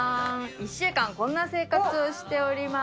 １週間、こんな生活をしております。